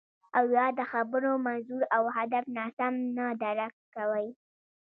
او یا د خبرو منظور او هدف ناسم نه درک کوئ